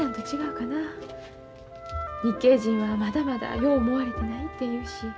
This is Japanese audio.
日系人はまだまだよう思われてないって言うし。